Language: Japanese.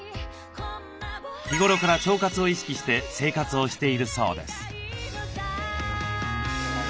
日頃から腸活を意識して生活をしているそうです。